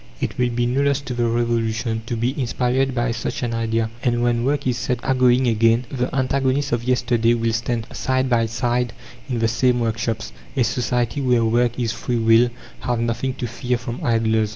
It will be no loss to the Revolution to be inspired by such an idea, and, when work is set agoing again, the antagonists of yesterday will stand side by side in the same workshops. A society where work is free will have nothing to fear from idlers.